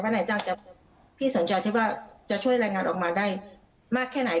พี่ก็ไม่ได้สนใจว่านายจ้างจะช่วยเรียนงานออกมาได้มากแค่ไหน